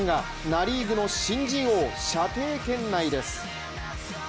ナ・リーグの新人王射程圏内です。